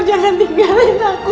jangan tinggalin aku